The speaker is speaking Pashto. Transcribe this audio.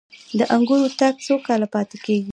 د انګورو تاک څو کاله پاتې کیږي؟